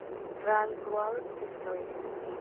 Railroad Stories v.